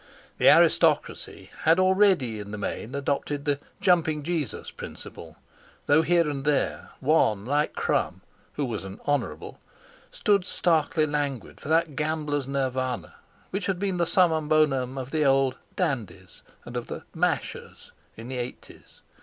The aristocracy had already in the main adopted the "jumping Jesus" principle; though here and there one like Crum—who was an "honourable"—stood starkly languid for that gambler's Nirvana which had been the summum bonum of the old "dandies" and of "the mashers" in the eighties.